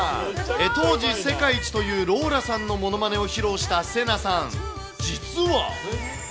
当時、世界一というローラさんのものまねを披露したセナさん。